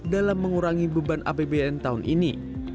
dalam mengurangi beban apbn tahun ini